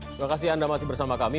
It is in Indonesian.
terima kasih anda masih bersama kami